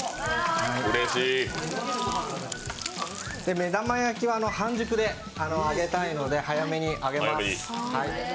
目玉焼き半熟で上げたいので、早めに上げます。